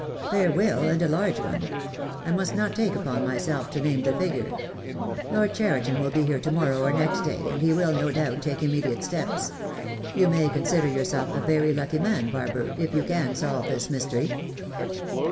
"There will, and a large one. I must not take upon myself to name the figure. Lord Cheriton will be here to morrow or next day, and he will, no doubt, take im mediate steps. You may consider yourself a very lucky man, Barber, if you can solve this mystery."